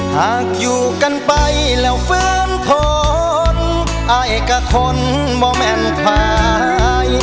หากอยู่กันไปแล้วเฟิร์นทนอ้ายกะคนบ่แม่นภาย